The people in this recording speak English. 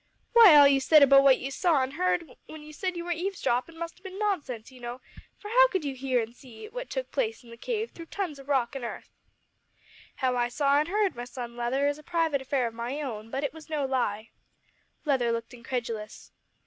"Why, all you said about what you saw and heard when you said you were eavesdroppin' must have been nonsense, you know, for how could you hear and see what took place in the cave through tons of rock and earth?" "How I saw and heard, my son Leather, is a private affair of my own, but it was no lie." Leather looked incredulous.